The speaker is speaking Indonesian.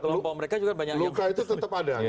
luka itu tetap ada